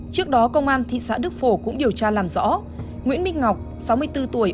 trước đó công an thị xã đức phổ cũng điều tra làm rõ nguyễn minh ngọc sáu mươi bốn tuổi